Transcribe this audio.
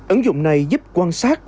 ứng dụng này giúp quan sát